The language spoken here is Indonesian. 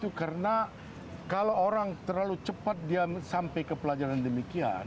itu karena kalau orang terlalu cepat dia sampai ke pelajaran demikian